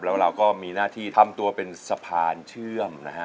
แล้วเราก็มีหน้าที่ทำตัวเป็นสะพานเชื่อมนะฮะ